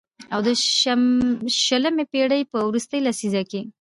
او د شلمې پېړۍ په وروستۍ لسيزه کې